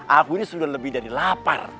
aku ini sudah lebih dari lapar